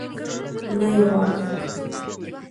نه يي غواړم